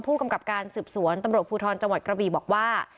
ผู้กำกับการสืบสวนตำรวจภูทรจังหวัดกระบีบอกว่า